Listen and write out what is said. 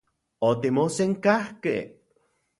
Otimosenkajkej.